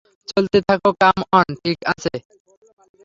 চলতে থাকো come on - ঠিক আছে?